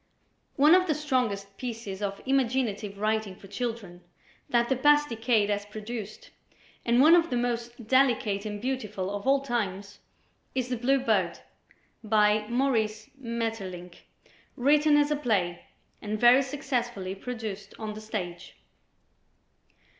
One of the strongest pieces of imaginative writing for children that the past decade has produced and one of the most delicate and beautiful of all times, is "The Blue Bird," by Maurice Maeterlinck, written as a play, and very successfully produced on the stage.